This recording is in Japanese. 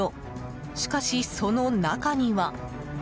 しかし、その中には。